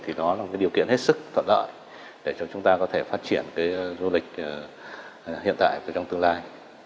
thì đó là một điều kiện hết sức phần lợi để cho chúng ta có thể phát triển du lịch hiện tại và trong tương lai